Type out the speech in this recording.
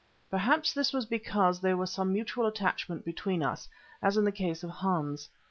Perhaps this was because there was some mutual attachment between us, as in the case of Hans.